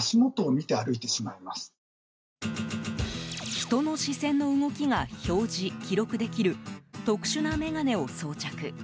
人の視線の動きが表示、記録できる特殊な眼鏡を装着。